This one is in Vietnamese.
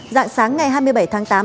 dạng sáng ngày hai mươi bảy tháng tám